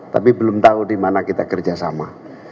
tapi belum tahu di mana kita kerjasama